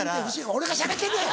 俺がしゃべってんねん！